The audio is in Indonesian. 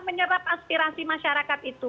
menyerap aspirasi masyarakat itu